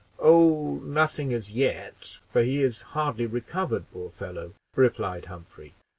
"Oh, nothing as yet, for he is hardly recovered, poor fellow," replied Humphrey.